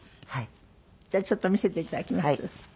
じゃあちょっと見せていただきます。